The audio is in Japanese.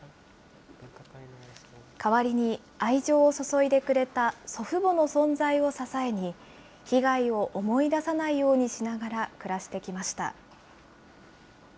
代わりに、愛情を注いでくれた祖父母の存在を支えに、被害を思い出さないようにしながら暮らしてきました。